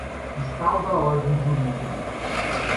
fiscal da ordem jurídica.